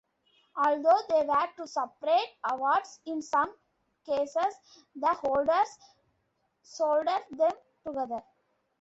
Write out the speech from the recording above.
Although they were two separate awards in some cases the holders soldered them together.